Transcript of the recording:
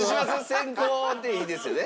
先攻でいいですよね？